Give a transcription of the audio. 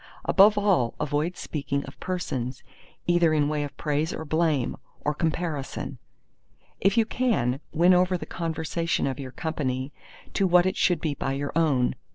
Above all avoid speaking of persons, either in way of praise or blame, or comparison. If you can, win over the conversation of your company to what it should be by your own.